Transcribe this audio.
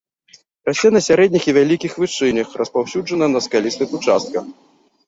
Расце на сярэдніх і вялікіх вышынях, распаўсюджана на скалістых участках.